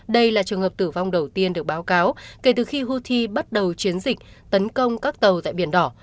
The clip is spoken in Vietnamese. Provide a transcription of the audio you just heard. đây là trường hợp tử vong đầu tiên được báo cáo kể từ khi houthi bắt đầu chiến dịch tấn công các tàu tại biển đỏ